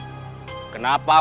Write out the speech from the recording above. bos bubun sekarang bakal tau